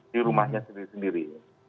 di rumahnya sendiri sendiri